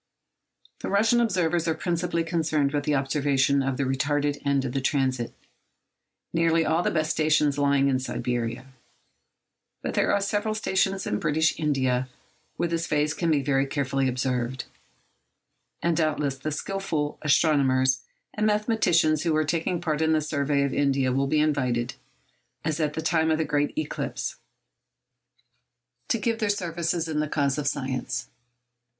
The Russian observers are principally concerned with the observation of the retarded end of the transit, nearly all the best stations lying in Siberia. But there are several stations in British India where this phase can be very usefully observed; and doubtless the skilful astronomers and mathematicians who are taking part in the survey of India will be invited—as at the time of the great eclipse—to give their services in the cause of science.